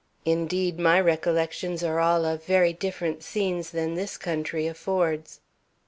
Indeed, my recollections are all of very different scenes than this country affords.